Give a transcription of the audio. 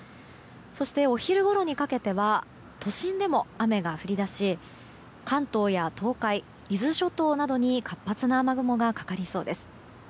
そして、お昼ごろにかけては都心でも雨が降り出し関東や東海、伊豆諸島などに活発な雨雲がかかりそうです。